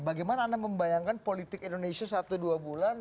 bagaimana anda membayangkan politik indonesia satu dua bulan